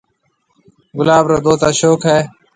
گلاب رو دوست اشوڪ ھيََََ